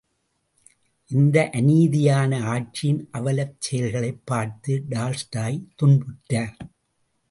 இந்த அநீதியான ஆட்சியின் அவலச் செயல்களைப் பார்த்து டால்ஸ்டாய் துன்புற்றார்.